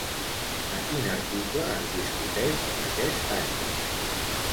A quin article es discuteix aquest àngel?